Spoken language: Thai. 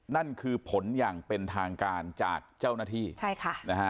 นั่นคือผลอย่างเป็นทางการจากเจ้าหน้าที่ใช่ค่ะนะฮะ